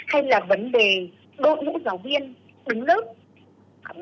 hay là vấn đề đội ngũ giáo viên đứng lớp